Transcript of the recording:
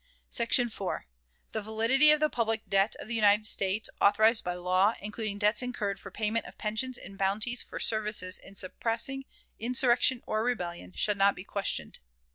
"SECTION 4. The validity of the public debt of the United States, authorized by law, including debts incurred for payment of pensions and bounties for services in suppressing insurrection or rebellion, shall not be questioned.